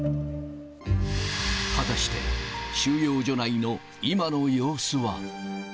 果たして、収容所内の今の様子は。